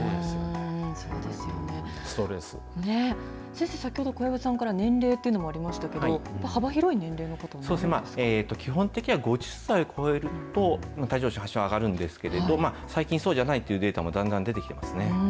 先生、先ほど、小籔さんから年齢というのもありましたけれどそうですね、基本的には５０歳を超えると、帯状ほう疹、上がるんですけど、最近、そうじゃないというデータも、だんだん出てきていますね。